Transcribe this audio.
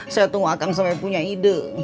saya tunggu akan sampai punya ide